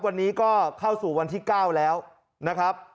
วันนี้ก็เข้าสู่วันที่๙แล้วนะครับ